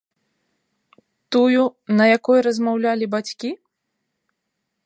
Тую, на якой размаўлялі бацькі?